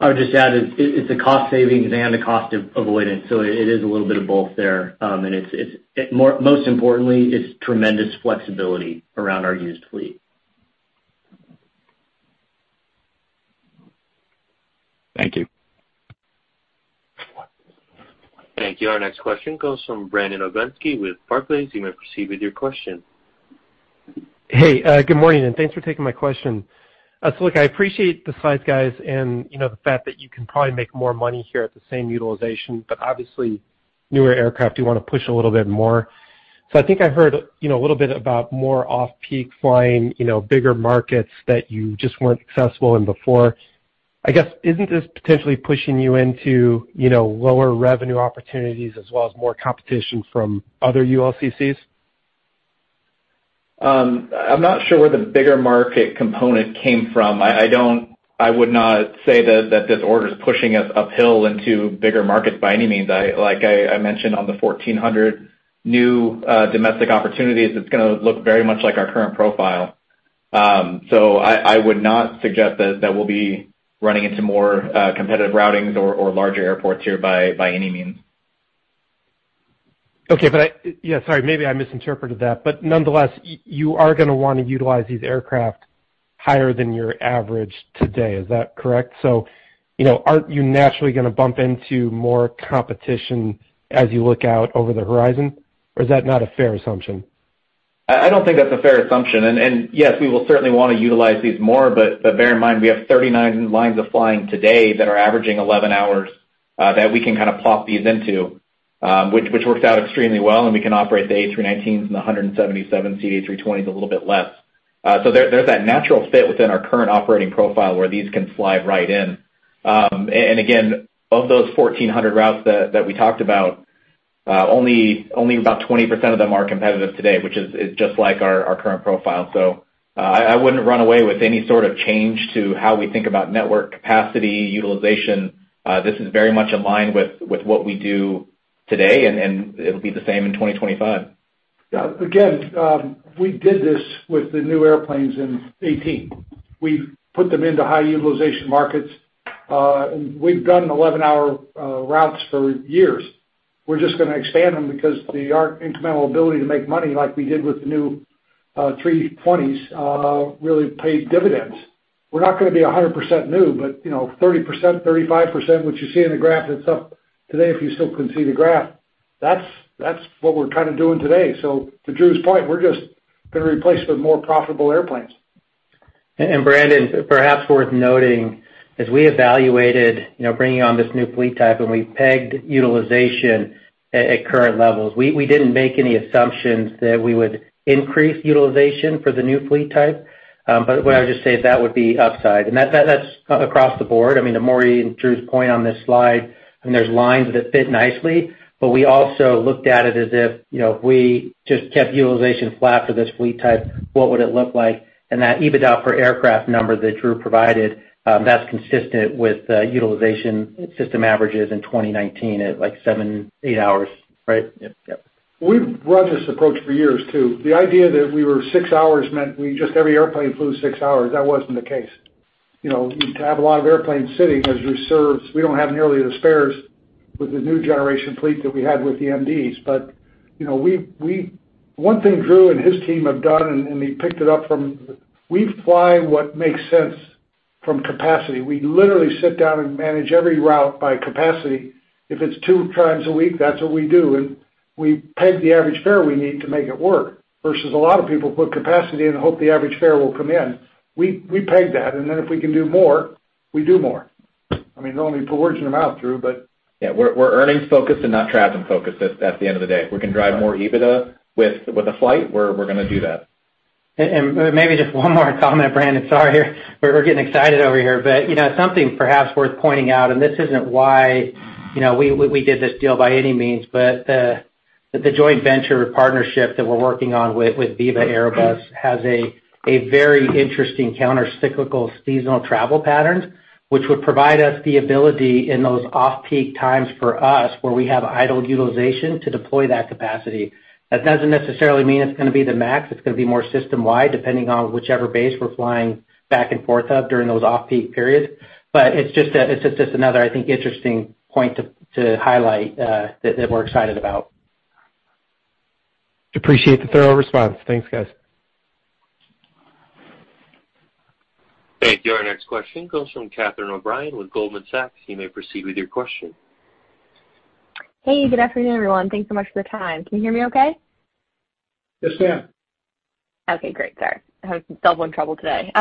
I would just add, it's a cost savings and a cost avoidance, so it is a little bit of both there. Most importantly, it's tremendous flexibility around our used fleet. Thank you. Thank you. Our next question goes from Brandon Oglenski with Barclays. You may proceed with your question. Hey, good morning, and thanks for taking my question. Look, I appreciate the slides, guys, and you know, the fact that you can probably make more money here at the same utilization, but obviously, newer aircraft, you wanna push a little bit more. I think I heard, you know, a little bit about more off-peak flying, you know, bigger markets that you just weren't successful in before. I guess, isn't this potentially pushing you into, you know, lower revenue opportunities as well as more competition from other ULCCs? I'm not sure where the bigger market component came from. I would not say that this order is pushing us uphill into bigger markets by any means. Like I mentioned on the 1,400 new domestic opportunities, it's gonna look very much like our current profile. I would not suggest that we'll be running into more competitive routings or larger airports here by any means. Okay. Yeah, sorry. Maybe I misinterpreted that. Nonetheless, you are gonna wanna utilize these aircraft higher than your average today. Is that correct? You know, aren't you naturally gonna bump into more competition as you look out over the horizon? Is that not a fair assumption? I don't think that's a fair assumption. Yes, we will certainly wanna utilize these more. Bear in mind, we have 39 lines of flying today that are averaging 11 hours that we can kind of plop these into, which works out extremely well, and we can operate the A319s and the 177-seat A320s a little bit less. There's that natural fit within our current operating profile where these can slide right in. Again, of those 1,400 routes that we talked about, only about 20% of them are competitive today, which is just like our current profile. I wouldn't run away with any sort of change to how we think about network capacity utilization. This is very much in line with what we do today, and it'll be the same in 2025. Yeah. Again, we did this with the new airplanes in 2018. We put them into high utilization markets, and we've done 11-hour routes for years. We're just gonna expand them because our incremental ability to make money like we did with the new A320s really paid dividends. We're not gonna be 100% new, but, you know, 30%, 35%, which you see in the graph that's up today, if you still can see the graph, that's what we're kinda doing today. To Drew's point, we're just gonna replace the more profitable airplanes. Brandon, perhaps worth noting, as we evaluated, you know, bringing on this new fleet type and we pegged utilization at current levels, we didn't make any assumptions that we would increase utilization for the new fleet type. What I'll just say that would be upside. That, that's across the board. I mean, to Maury and Drew's point on this slide, I mean, there's lines that fit nicely, but we also looked at it as if, you know, if we just kept utilization flat for this fleet type, what would it look like? That EBITDA for aircraft number that Drew provided, that's consistent with utilization system averages in 2019 at like seven to eight hours, right? Yep. Yep. We've run this approach for years too. The idea that we were six hours meant every airplane flew six hours, that wasn't the case. You know, we'd have a lot of airplanes sitting as reserves. We don't have nearly the spares with the new generation fleet that we had with the MDs. You know, one thing Drew and his team have done, and he picked it up from. We fly what makes sense from capacity. We literally sit down and manage every route by capacity. If it's two times a week, that's what we do, and we peg the average fare we need to make it work, versus a lot of people put capacity and hope the average fare will come in. We peg that, and then if we can do more, we do more. I mean, it'll only put words in your mouth, Drew, but. Yeah, we're earnings focused and not traffic focused at the end of the day. We can drive more EBITDA with a flight, we're gonna do that. Maybe just one more comment, Brandon. Sorry, we're getting excited over here. You know, something perhaps worth pointing out, and this isn't why, you know, we did this deal by any means, the joint venture partnership that we're working on with Viva Aerobus has a very interesting counter-cyclical seasonal travel patterns, which would provide us the ability in those off-peak times for us, where we have idled utilization, to deploy that capacity. That doesn't necessarily mean it's gonna be the MAX, it's gonna be more system-wide, depending on whichever base we're flying back and forth of during those off-peak periods. It's just another, I think, interesting point to highlight, that we're excited about. Appreciate the thorough response. Thanks, guys. Thank you. Our next question comes from Catherine O'Brien with Goldman Sachs. You may proceed with your question. Hey, good afternoon, everyone. Thanks so much for the time. Can you hear me okay? Yes, ma'am. Okay, great. Sorry. I was doubly in trouble today.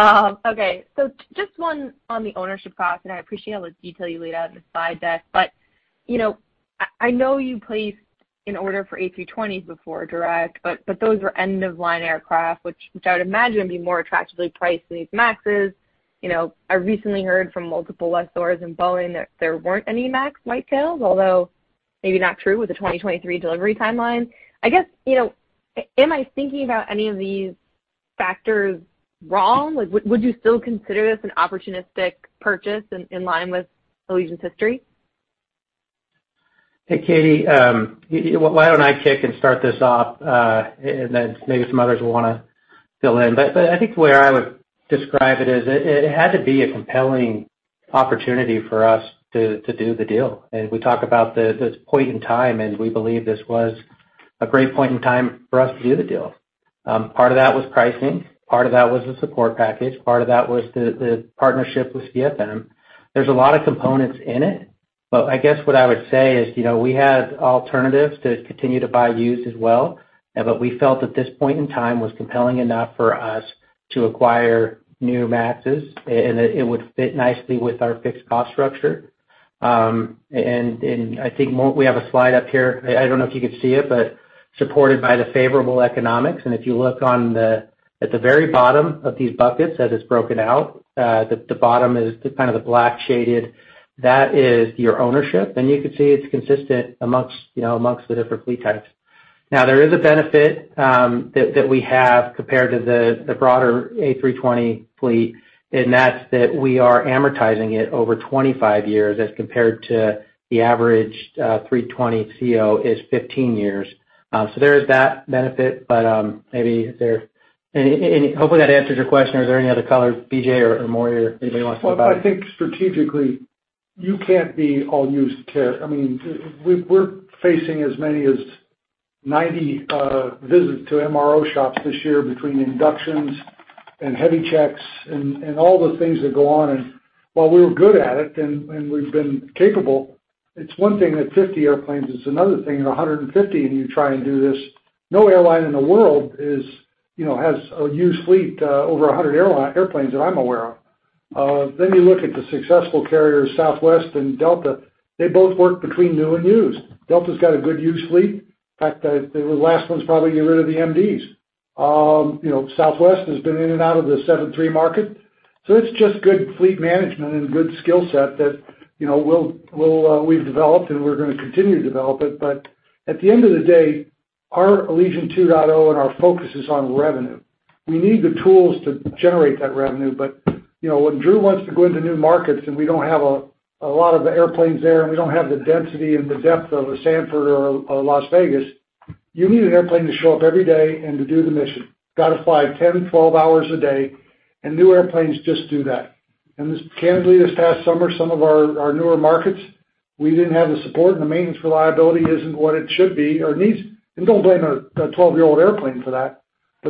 Just one on the ownership cost, and I appreciate all the detail you laid out in the slide deck. You know, I know you placed an order for A220s before, but those were end-of-line aircraft, which I would imagine would be more attractively priced than these MAXs. You know, I recently heard from multiple lessors and Boeing that there weren't any MAX white tails, although maybe not true with the 2023 delivery timeline. I guess, you know, am I thinking about any of these factors wrong? Like, would you still consider this an opportunistic purchase in line with Allegiant's history? Hey, Catie, why don't I kick and start this off, and then maybe some others will wanna fill in. I think where I would describe it is, it had to be a compelling opportunity for us to do the deal. We talk about this point in time, and we believe this was a great point in time for us to do the deal. Part of that was pricing, part of that was the support package, part of that was the partnership with CFM. There's a lot of components in it, but I guess what I would say is, you know, we had alternatives to continue to buy used as well. We felt that this point in time was compelling enough for us to acquire new MAXs and that it would fit nicely with our fixed cost structure. I think more we have a slide up here. I don't know if you can see it, but supported by the favorable economics. If you look at the very bottom of these buckets as it's broken out, the bottom is kind of the black shaded. That is your ownership. You can see it's consistent amongst, you know, amongst the different fleet types. Now, there is a benefit that we have compared to the broader A320 fleet, and that's that we are amortizing it over 25 years as compared to the average A320ceo is 15 years. So there is that benefit. Hopefully, that answers your question or is there any other color BJ or Maury or anybody wants to talk about it? I think strategically, you can't be all used to. I mean, we're facing as many as 90 visits to MRO shops this year between inductions and heavy checks and all the things that go on. While we're good at it and we've been capable, it's one thing that 50 airplanes, it's another thing in 150, and you try and do this. No airline in the world is, you know, has a huge fleet over 100 airplanes that I'm aware of. Then you look at the successful carriers, Southwest and Delta, they both work between new and used. Delta's got a good used fleet. In fact, the last one's probably get rid of the MDs. You know, Southwest has been in and out of the 737 market. It's just good fleet management and good skill set that, you know, we've developed and we're gonna continue to develop it. At the end of the day, our Allegiant 2.0 and our focus is on revenue. We need the tools to generate that revenue. You know, when Drew wants to go into new markets and we don't have a lot of the airplanes there, and we don't have the density and the depth of a Sanford or Las Vegas, you need an airplane to show up every day and to do the mission. Gotta fly 10, 12 hours a day, and new airplanes just do that. Candidly, this past summer, some of our newer markets we didn't have the support and the maintenance reliability isn't what it should be or needs. Don't blame a 12-year-old airplane for that.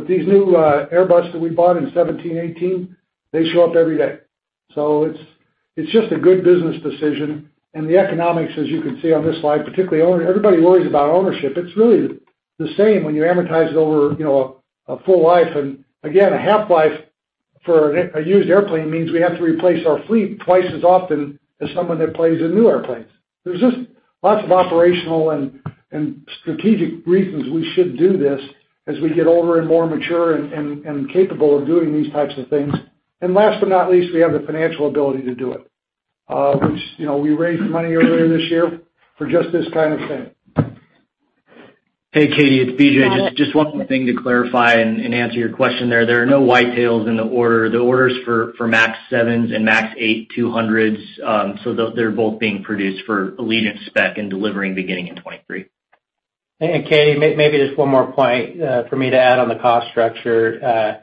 These new Airbus that we bought in 2017, 2018, they show up every day. It's just a good business decision. The economics, as you can see on this slide, particularly everybody worries about ownership. It's really the same when you amortize it over, you know, a full life. Again, a half-life for a used airplane means we have to replace our fleet twice as often as someone that plays in new airplanes. There's just lots of operational and strategic reasons we should do this as we get older and more mature and capable of doing these types of things. Last but not least, we have the financial ability to do it. Which, you know, we raised money earlier this year for just this kind of thing. Hey, Catie, it's BJ. Hi, BJ. Just one more thing to clarify and answer your question there. There are no white tails in the order. The order's for MAX 7s and MAX 8-200s. So they're both being produced for Allegiant spec and delivering beginning in 2023. Catie, maybe just one more point for me to add on the cost structure.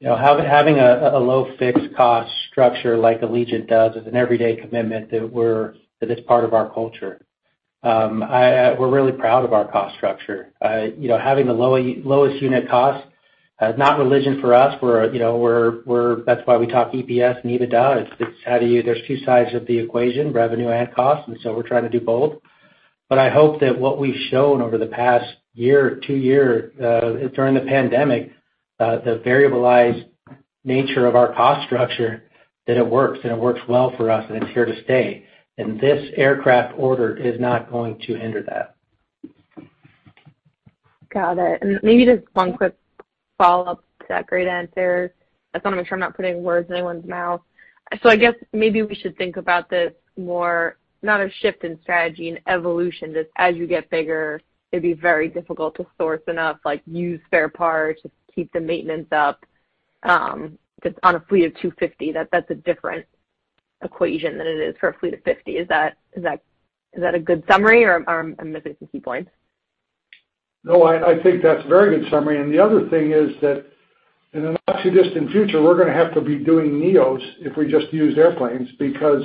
You know, having a low fixed cost structure like Allegiant does is an everyday commitment that it's part of our culture. We're really proud of our cost structure. You know, having the lowest unit cost is not religion for us. You know, that's why we talk EPS and EBITDA. It's there's two sides of the equation, revenue and cost, and so we're trying to do both. I hope that what we've shown over the past year or two year during the pandemic, the variabilized nature of our cost structure, that it works, and it works well for us, and it's here to stay. This aircraft order is not going to hinder that. Got it. Maybe just one quick follow-up to that great answer. I just wanna make sure I'm not putting words in anyone's mouth. I guess maybe we should think about this more, not a shift in strategy, an evolution that as you get bigger, it'd be very difficult to source enough, like, used spare parts, just keep the maintenance up, just on a fleet of 250. That's a different equation than it is for a fleet of 50. Is that a good summary or am I missing some key points? No, I think that's a very good summary. The other thing is that in the not too distant future, we're gonna have to be doing neos if we just use airplanes because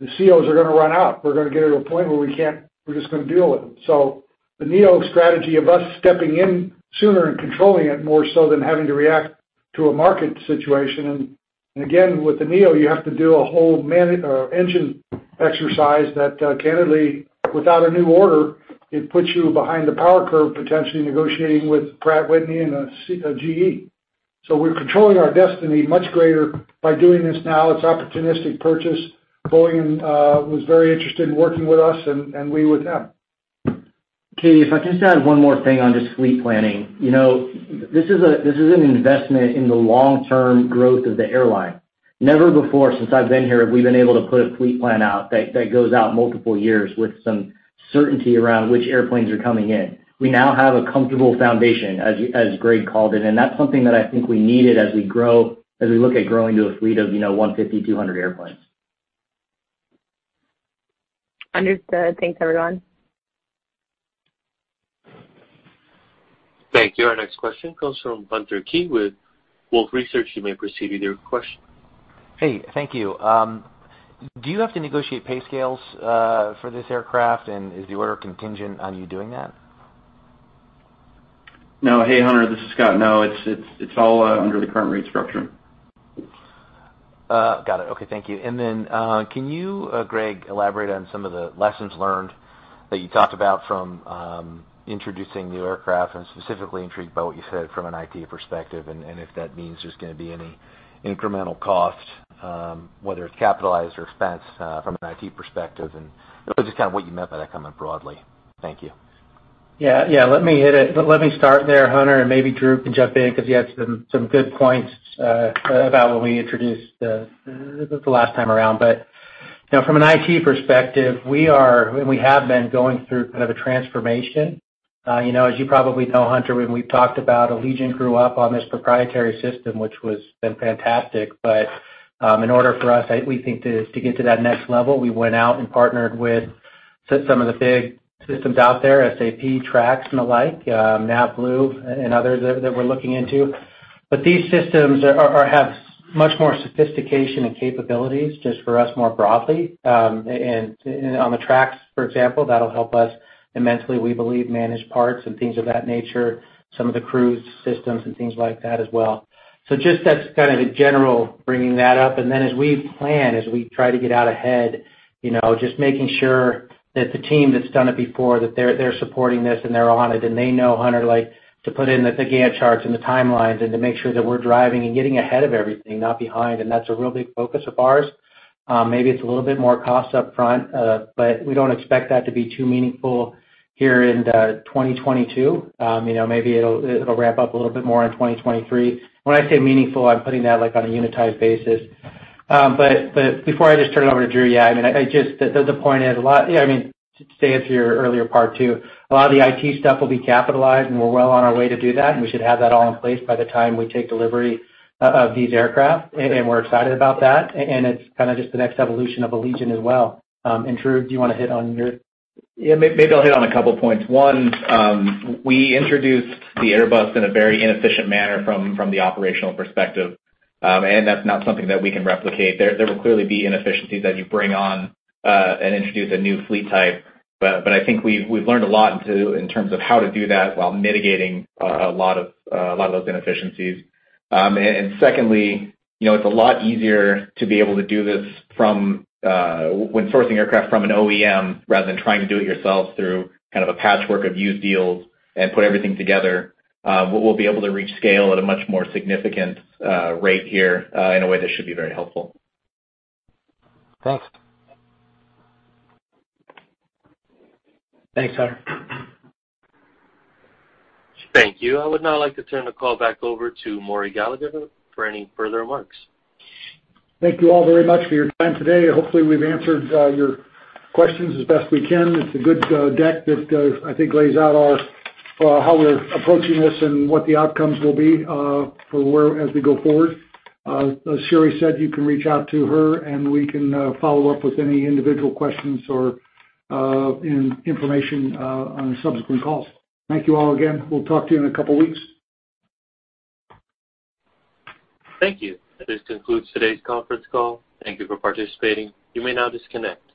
the CEOs are gonna run out. We're gonna get to a point where we're just gonna deal with it. The neo strategy of us stepping in sooner and controlling it more so than having to react to a market situation. Again, with the neo, you have to do a whole engine exercise that, candidly, without a new order, it puts you behind the power curve, potentially negotiating with Pratt & Whitney and CFM, GE. We're controlling our destiny much greater by doing this now. It's opportunistic purchase. Boeing was very interested in working with us and we with them. Catie, if I can just add one more thing on just fleet planning. You know, this is an investment in the long-term growth of the airline. Never before, since I've been here, have we been able to put a fleet plan out that goes out multiple years with some certainty around which airplanes are coming in. We now have a comfortable foundation, as Greg called it, and that's something that I think we needed as we grow, as we look at growing to a fleet of, you know, 150, 200 airplanes. Understood. Thanks, everyone. Thank you. Our next question comes from Hunter Keay with Wolfe Research. You may proceed with your question. Hey, thank you. Do you have to negotiate pay scales for this aircraft and is the order contingent on you doing that? No. Hey, Hunter, this is Scott. No, it's all under the current rate structure. Got it. Okay, thank you. Can you, Greg, elaborate on some of the lessons learned that you talked about from introducing new aircraft, and specifically intrigued by what you said from an IT perspective, and if that means there's gonna be any incremental cost, whether it's capitalized or expensed, from an IT perspective? Just kind of what you meant by that comment broadly. Thank you. Yeah. Yeah, let me hit it. Let me start there, Hunter, and maybe Drew can jump in 'cause he had some good points about when we introduced the last time around. You know, from an IT perspective, we are, and we have been going through kind of a transformation. You know, as you probably know, Hunter, when we've talked about Allegiant grew up on this proprietary system, which has been fantastic. In order for us, we think to get to that next level, we went out and partnered with some of the big systems out there, SAP, TRAX and the like, NAVBLUE and others that we're looking into. These systems have much more sophistication and capabilities just for us more broadly. On the TRAX, for example, that'll help us immensely, we believe, manage parts and things of that nature, some of the cruise systems and things like that as well. Just that's kind of a general bringing that up. Then as we plan, as we try to get out ahead, you know, just making sure that the team that's done it before, that they're supporting this and they're on it, and they know, Hunter, like to put in the Gantt charts and the timelines and to make sure that we're driving and getting ahead of everything, not behind. That's a real big focus of ours. Maybe it's a little bit more cost up front, but we don't expect that to be too meaningful here in 2022. You know, maybe it'll ramp up a little bit more in 2023. When I say meaningful, I'm putting that, like, on a unitized basis. But before I just turn it over to Drew, yeah, I mean, I just the point is a lot. Yeah, I mean, to answer your earlier part too, a lot of the IT stuff will be capitalized, and we're well on our way to do that, and we should have that all in place by the time we take delivery of these aircraft. We're excited about that, and it's kind of just the next evolution of Allegiant as well. Drew, do you wanna hit on your- Yeah, maybe I'll hit on a couple points. One, we introduced the Airbus in a very inefficient manner from the operational perspective, and that's not something that we can replicate. There will clearly be inefficiencies as you bring on and introduce a new fleet type, but I think we've learned a lot too in terms of how to do that while mitigating a lot of those inefficiencies. Secondly, you know, it's a lot easier to be able to do this from when sourcing aircraft from an OEM rather than trying to do it yourself through kind of a patchwork of used deals and put everything together. We'll be able to reach scale at a much more significant rate here in a way that should be very helpful. Thanks. Thanks, Hunter. Thank you. I would now like to turn the call back over to Maury Gallagher for any further remarks. Thank you all very much for your time today. Hopefully, we've answered your questions as best we can. It's a good deck that I think lays out how we're approaching this and what the outcomes will be as we go forward. As Sherry said, you can reach out to her, and we can follow up with any individual questions or information on subsequent calls. Thank you all again. We'll talk to you in a couple weeks. Thank you. This concludes today's conference call. Thank you for participating. You may now disconnect.